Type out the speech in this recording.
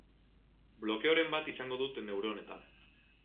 Blokeoren bat izango dut neuronetan.